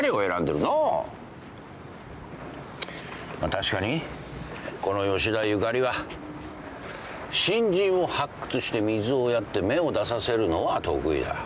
確かにこの吉田ゆかりは新人を発掘して水をやって芽を出させるのは得意だ。